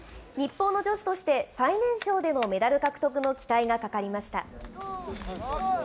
日本の女子として最年少でのメダル獲得の期待がかかりました。